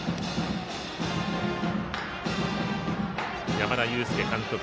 山田祐輔監督。